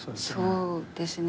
そうですね